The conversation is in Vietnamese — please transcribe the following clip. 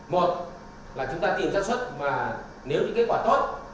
một là chúng ta tìm chất xuất mà nếu như kết quả tốt